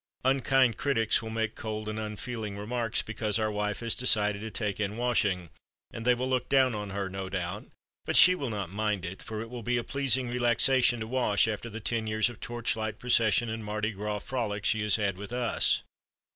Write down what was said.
"Unkind critics will make cold and unfeeling remarks because our wife has decided to take in washing, and they will look down on her, no doubt, but she will not mind it, for it will be a pleasing relaxation to wash, after the ten years of torch light procession and Mardi Gras frolic she has had with us.